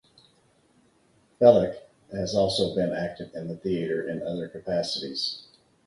Belich has also been active in the theatre in other capacities.